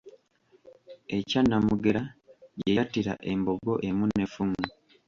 E Kyannamugera, gye yattira embogo emu n'effumu.